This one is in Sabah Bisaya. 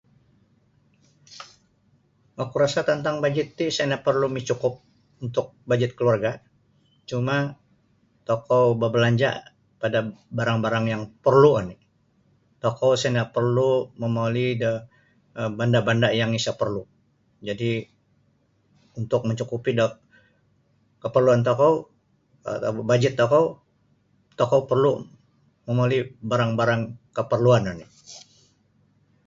Oku rasa tantang bajet ti isa na parlu micukup untuk bajet keluarga cuma tokou babalanja pada barang-barang yang perlu oni tokou isa na parlu momoli da um banda-banda yang isa parlu jadi untuk mencukupi da kaparluan tokou um bajet tokou tokou perlu momoli barang-barang kaparluan oni.